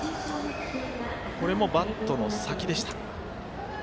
これもバットの先でした。